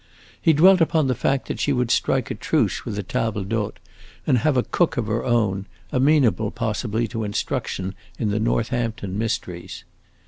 He dwelt upon the fact that she would strike a truce with tables d'hote and have a cook of her own, amenable possibly to instruction in the Northampton mysteries.